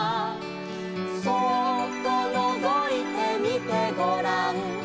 「そーっとのぞいてみてごらん」